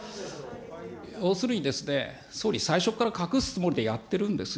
ようするにですね、総理、最初から隠すつもりでやってるんですよ。